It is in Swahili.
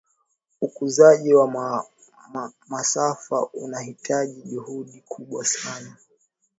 ukuzaji wa masafa unahitaji juhudi kubwa sana